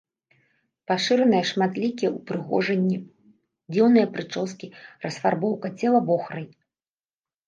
Пашыраныя шматлікія ўпрыгожанні, дзіўныя прычоскі, расфарбоўка цела вохрай.